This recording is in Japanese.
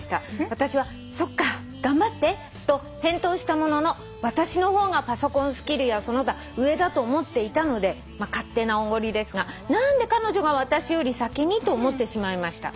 「私は『そっか。頑張って』と返答したものの私の方がパソコンスキルやその他上だと思っていたので勝手なおごりですが何で彼女が私より先にと思ってしまいました」